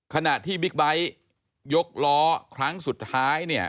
ขณะที่บิ๊กไบท์ยกล้อครั้งสุดท้ายเนี่ย